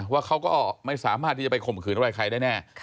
ว่าเขาก็ไม่สามารถที่จะไปข่มขืนอะไรใครได้แน่